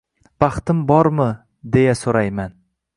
Baxtim bormi, deya so’rayman.